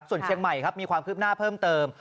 ส่วนเชียงใหม่ครับมีความคืบหน้าเพิ่มเติม